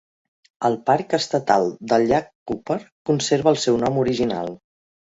El Parc Estatal del llac Cooper conserva el seu nom original.